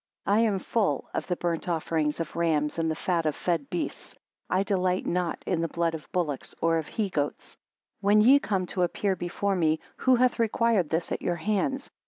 5 I am full of the burnt offerings of rams, and the fat of fed beasts; and I delight not in the blood of bullocks, or of he goats. 6 When ye come to appear before me, who hath required this at your hands?